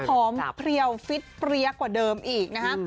เพลียวฟิตเปรี้ยกว่าเดิมอีกนะฮะ